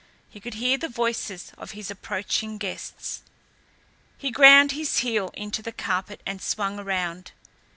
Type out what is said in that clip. He could hear the voices of his approaching guests. He ground his heel into the carpet and swung around.